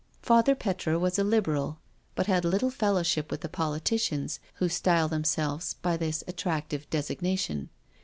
Father Petre was a Liberal, but had little fellowship with the politicians who style themselves by this at tractive designation.